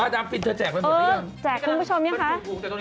มาจ๊ะฟิตเธอแจ่งไปรึเปล่า